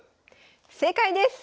正解です！